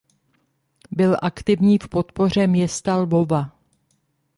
Byl aktivní v podpoře města Lvova.